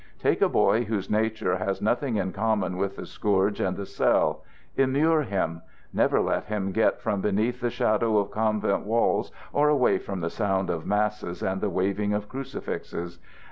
Take a boy whose nature has nothing in common with the scourge and the cell. Immure him. Never let him get from beneath the shadow of convent walls or away from the sound of masses and the waving of crucifixes.